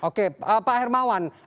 oke pak hermawan